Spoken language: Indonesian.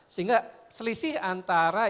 sehingga selisih antara